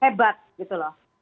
hebat gitu loh